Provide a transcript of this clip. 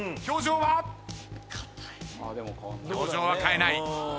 表情は変えない。